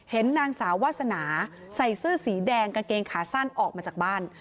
นางสาววาสนาใส่เสื้อสีแดงกางเกงขาสั้นออกมาจากบ้าน